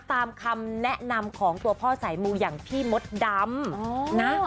ตามคำแนะนำของตัวพ่อสายมูอย่างพี่มดดำนะ